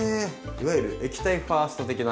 いわゆる「液体ファースト」的な。